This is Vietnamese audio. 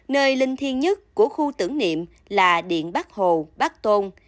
nơi linh thiên nhất của khu tưởng niệm là điện bắc hồ bắc tôn